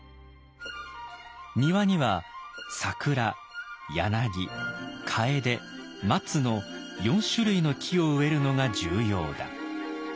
「庭には桜柳楓松の４種類の木を植えるのが重要だ。